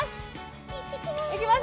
行きます